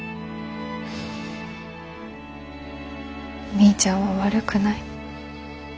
みーちゃんは悪くない。